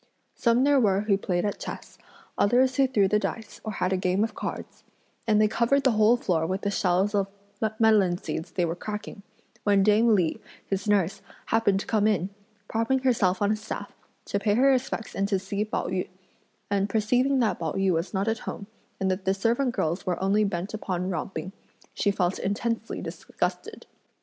Some there were who played at chess, others who threw the dice or had a game of cards; and they covered the whole floor with the shells of melon seeds they were cracking, when dame Li, his nurse, happened to come in, propping herself on a staff, to pay her respects and to see Pao yü, and perceiving that Pao yü was not at home and that the servant girls were only bent upon romping, she felt intensely disgusted.